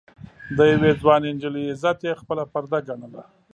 د يوې ځوانې نجلۍ عزت يې خپله پرده ګڼله.